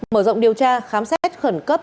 mở rộng điều tra khám xét khẩn cấp